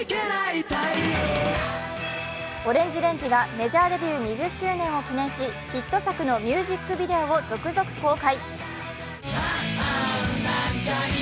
ＯＲＡＮＧＥＲＡＮＧＥがメジャーデビュー２０周年を記念しヒット作のミュージックビデオを続々公開。